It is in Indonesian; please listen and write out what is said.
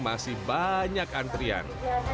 masih banyak antrian